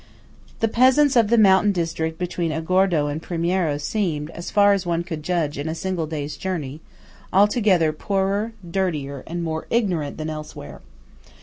The peasants of the mountain district between Agordo and Primiero seemed, so far as one could judge in a single day's journey, altogether poorer, dirtier, and more ignorant than elsewhere.